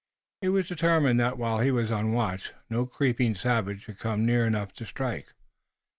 He was determined that, while he was on watch, no creeping savage should come near enough to strike.